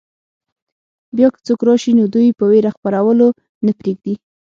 بیا که څوک راشي نو دوی په وېره خپرولو نه پرېږدي.